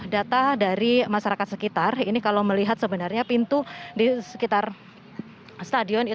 data dari masyarakat sekitar ini kalau melihat sebenarnya pintu di sekitar stadion